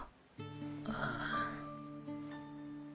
ああ。